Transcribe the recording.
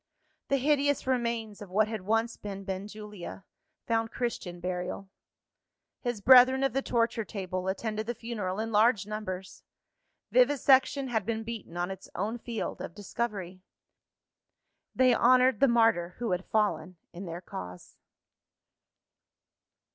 The hideous remains of what had once been Benjulia, found Christian burial. His brethren of the torture table, attended the funeral in large numbers. Vivisection had been beaten on its own field of discovery. They honoured the martyr who had fallen in their cause.